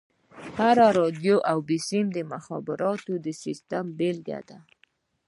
هره راډيو او بيسيم مخابراتي سيسټم يې بېلګه ده.